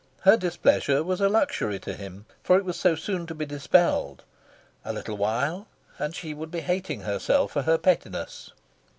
Her displeasure was a luxury to him, for it was so soon to be dispelled. A little while, and she would be hating herself for her pettiness.